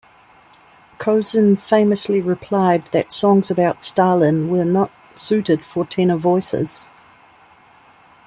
Kozin famously replied that songs about Stalin were not suited for tenor voices.